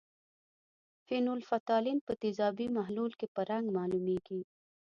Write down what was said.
فینول فتالین په تیزابي محلول کې په رنګ معلومیږي.